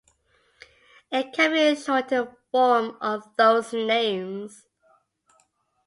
It can be a shortened form of those names.